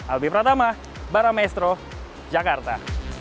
albi pratama barameestro jakarta